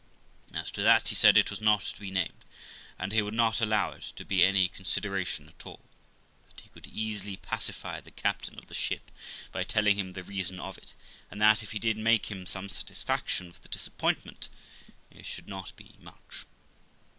As to that, he said, it was not to be named, and he would not allow it to be any consideration at all; that he could easily pacify the captain of the ship by telling him the reason of it, and that if he did make him some satisfaction for the disappointment, it should not be much.